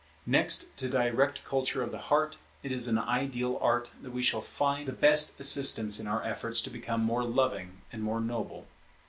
Next to direct culture of the heart, it is in ideal Art that we shall find the best assistance in our efforts to become more loving and more noble.